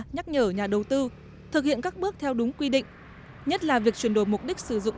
nhắc nhở nhà đầu tư thực hiện các bước theo đúng quy định nhất là việc chuyển đổi mục đích sử dụng